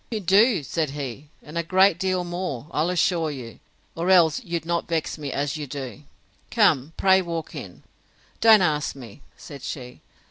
—You do, said he, and a great deal more, I'll assure you; or else you'd not vex me as you do.—Come, pray walk in. Don't ask me, said she.